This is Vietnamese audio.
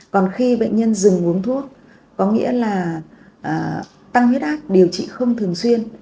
còn khi bệnh nhân dừng uống thuốc có nghĩa là tăng huyết áp điều trị không thường xuyên